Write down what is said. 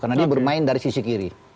karena dia bermain dari sisi kiri